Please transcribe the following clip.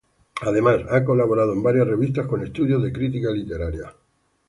Además, ha colaborado en varias revistas con estudios de crítica literaria.